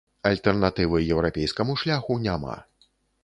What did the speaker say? Альтэрнатывы еўрапейскаму шляху няма.